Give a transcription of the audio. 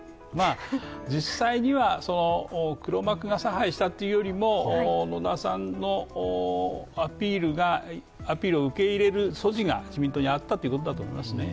実際には黒幕が差配したというよりも野田さんのアピールを受け入れる素地が自民党にあったということだと思いますね。